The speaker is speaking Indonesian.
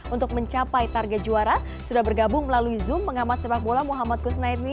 untuk mencapai target juara sudah bergabung melalui zoom pengamat sepak bola muhammad kusnaidmi